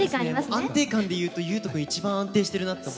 安定感で言うと悠人君一番安定してるなと思って。